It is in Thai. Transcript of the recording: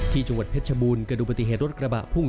จังหวัดเพชรชบูรณ์เกิดดูปฏิเหตุรถกระบะพุ่ง